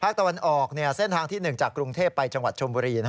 ตะวันออกเส้นทางที่๑จากกรุงเทพไปจังหวัดชมบุรี